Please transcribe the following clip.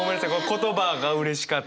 言葉がうれしかった。